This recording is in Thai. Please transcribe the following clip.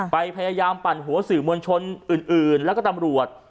พยายามปั่นหัวสื่อมวลชนอื่นแล้วก็ตำรวจ